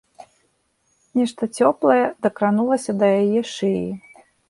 Нешта цёплае дакранулася да яе шыі.